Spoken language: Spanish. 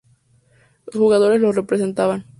Los jugadores lo respetaban.